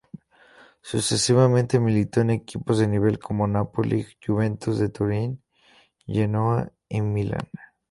Sucesivamente militó en equipos de nivel como Napoli, Juventus de Turín, Genoa y Milan.